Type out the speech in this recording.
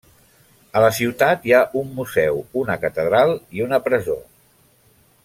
A la ciutat hi ha un museu, una catedral i una presó.